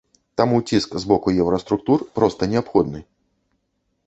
Таму ціск з боку еўраструктур проста неабходны.